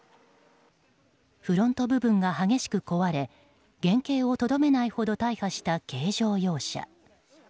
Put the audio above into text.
フロント部分が激しく壊れ原形をとどめないほど大破した軽乗用車。